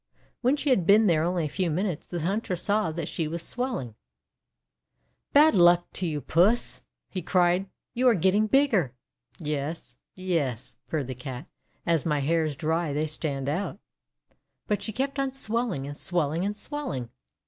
When she had been there only a few minutes, the hunter saw that she was swelling. :<Bad luck to you, Puss!' he cried. 'You are getting bigger!' ; Yes — yes —" purred the Cat, <;*as my hairs dry they stand out." But she kept on swelling, and swelling, and swelling.